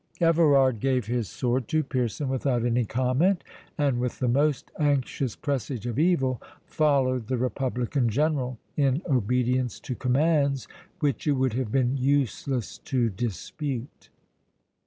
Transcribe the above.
Everard gave his sword to Pearson without any comment, and with the most anxious presage of evil followed the Republican General, in obedience to commands which it would have been useless to dispute.